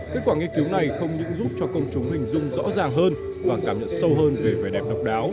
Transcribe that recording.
kết quả nghiên cứu này không những giúp cho công chúng hình dung rõ ràng hơn và cảm nhận sâu hơn về vẻ đẹp độc đáo